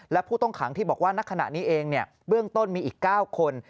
และผู้ต้องขังที่บอกว่าณขณะนี้เองเบื้องต้นมีอีก๙คน